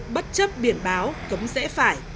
bất chấp biển báo cấm dễ phải